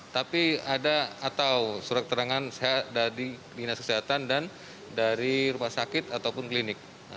tapi ada atau surat keterangan sehat dari dinas kesehatan dan dari rumah sakit ataupun klinik